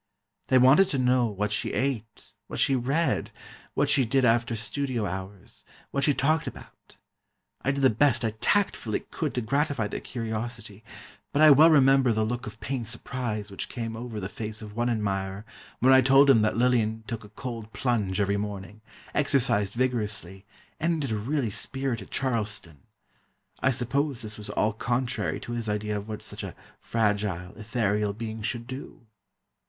They wanted to know what she ate, what she read, what she did after studio hours, what she talked about. I did the best I tactfully could to gratify their curiosity, but I well remember the look of pained surprise which came over the face of one admirer when I told him that Lillian took a cold plunge every morning, exercised vigorously and did a really spirited Charleston. I suppose this was all contrary to his idea of what such a fragile, ethereal being should do.